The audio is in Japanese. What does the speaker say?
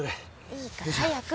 いいから早く！